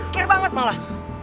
care banget malah